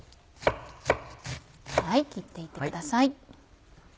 切って行ってください。